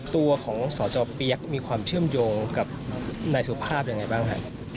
ตัวของสจเปี๊ยกมีความเชื่อมโยงกับนายสุภาพยังไงบ้างครับ